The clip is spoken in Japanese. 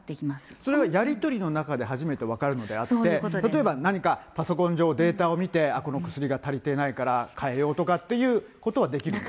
それはやり取りの中で初めて分かるのであって、例えば何かパソコン上、データを見て、この薬が足りていないから変えようとかっていうことはできるんですか。